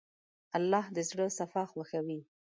الله د زړه صفا خوښوي.